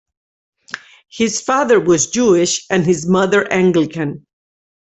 His father was Jewish and his mother Anglican.